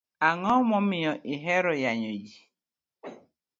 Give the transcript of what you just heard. Ango miyo ihero yanyo jii?